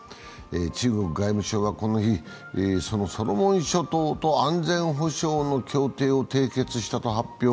中国外務省はこの日、そのソロモン諸島と安全保障の協定を締結したと発表。